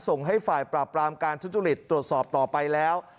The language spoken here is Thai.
ส่งให้ฝ่ายปราบปรามการทุจริตตรวจสอบต่อไปแล้ว